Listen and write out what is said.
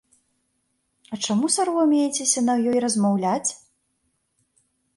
А чаму саромеецеся на ёй размаўляць?